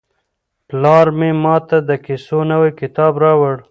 پلار مې ماته د کیسو نوی کتاب راوړ.